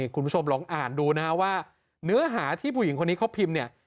คุณผู้ชมลองอ่านดูนะฮะว่าเนื้อหาที่ผู้หญิงคนนี้เขาพิมพ์เนี่ย